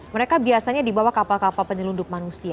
mereka biasanya dibawa kapal kapal penyelundup manusia